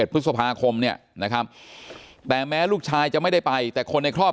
พฤษภาคมเนี่ยนะครับแต่แม้ลูกชายจะไม่ได้ไปแต่คนในครอบครัว